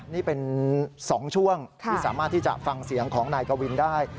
นี่เป็น๒ช่วงที่สามารถที่จะฟังเสียงของนายกวินได้